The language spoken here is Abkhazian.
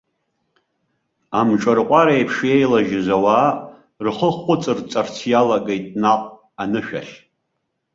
Амҿырҟәареиԥш иеилажьыз ауаа, рхы хәыҵарҵарц иалагеит наҟ, анышә ахь.